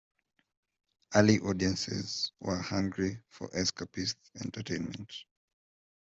Early audiences were hungry for escapist entertainment.